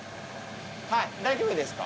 はい大丈夫ですか？